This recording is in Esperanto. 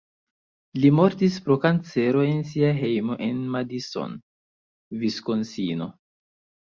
Li mortis pro kancero en sia hejmo en Madison (Viskonsino).